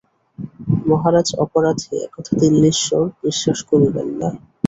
মহারাজ অপরাধী এ কথা দিল্লীশ্বর বিশ্বাস করিবেন না।